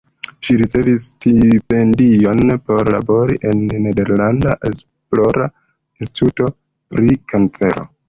Ŝi ricevis stipendion por labori en nederlanda esplora instituto pri kancero.